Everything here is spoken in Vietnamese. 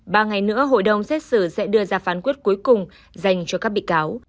ba ngày nữa hội đồng xét xử sẽ đưa ra phán quyết cuối cùng dành cho các bị cáo